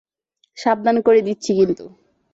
সাবধান করে দিচ্ছি কিন্তু।